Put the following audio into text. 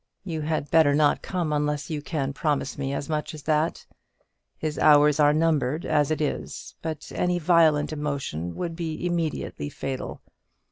You had better not come unless you can promise me as much as that. His hours are numbered, as it is; but any violent emotion would be immediately fatal.